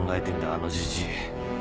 あのじじい。